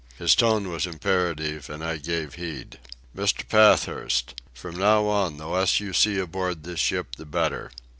His tone was imperative, and I gave heed. "Mr. Pathurst. From now on the less you see aboard this ship the better.